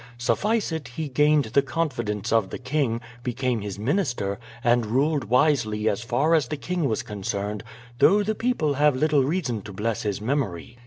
Suffice it he gained the confidence of the king, became his minister, and ruled wisely as far as the king was concerned, though the people have little reason to bless his memory.